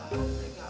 gak tau gak